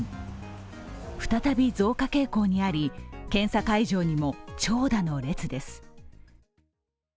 再び、増加傾向にあり検査会場にも長蛇の列です。